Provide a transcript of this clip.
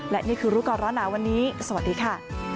และนี่คือรู้ก่อนร้อนหนาวันนี้สวัสดีค่ะ